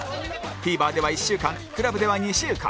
ＴＶｅｒ では１週間 ＣＬＵＢ では２週間